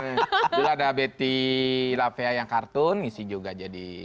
dulu ada betty lafayette yang kartun isi juga jadi